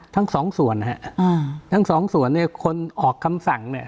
ทั้งสองส่วนนะฮะอ่าทั้งสองส่วนเนี่ยคนออกคำสั่งเนี่ย